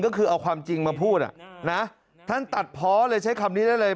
ก็คือเอาความจริงมาพูดอ่ะนะท่านตัดเพาะเลยใช้คำนี้ได้เลย